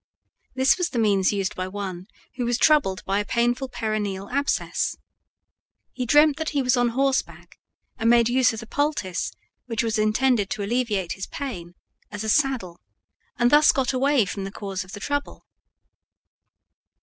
This was the means used by one who was troubled by a painful perineal abscess. He dreamt that he was on horseback, and made use of the poultice, which was intended to alleviate his pain, as a saddle, and thus got away from the cause of the trouble.